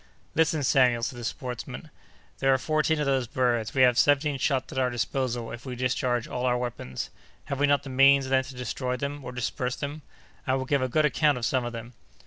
"Listen, Samuel!" said the sportsman. "There are fourteen of those birds; we have seventeen shots at our disposal if we discharge all our weapons. Have we not the means, then, to destroy them or disperse them? I will give a good account of some of them!"